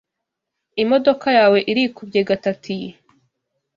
Imodoka yawe irikubye gatatu iyi.